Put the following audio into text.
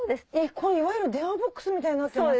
これいわゆる電話ボックスみたいになってます。